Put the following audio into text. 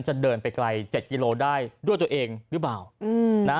จะเดินไปไกลเจ็ดกิโลได้ด้วยตัวเองหรือเปล่านะ